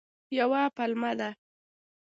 یوه پلمه ده.